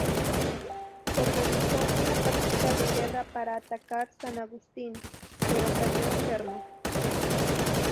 Organizó una partida de guerra para atacar San Agustín, pero cayó enfermo.